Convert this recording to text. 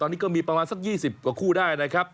ตอนนี้ก็มีประมาณสัก๒๐กว่าคู่ได้นะครับ